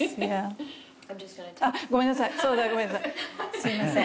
すみません。